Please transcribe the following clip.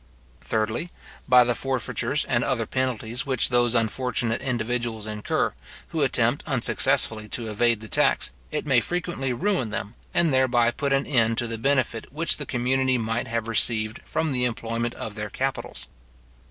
Thirdly, by the forfeitures and other penalties which those unfortunate individuals incur, who attempt unsuccessfully to evade the tax, it may frequently ruin them, and thereby put an end to the benefit which the community might have received from the employment of their capitals.